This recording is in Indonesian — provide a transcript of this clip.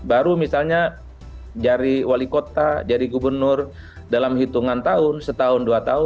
baru misalnya jadi wali kota jadi gubernur dalam hitungan tahun setahun dua tahun